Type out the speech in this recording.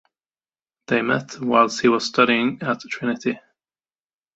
They met whilst he was studying at Trinity.